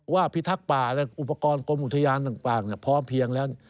พิทักษ์ป่าและอุปกรณ์กรมอุทยานต่างพร้อมเพียงแล้ว